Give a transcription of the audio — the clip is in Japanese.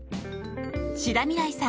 志田未来さん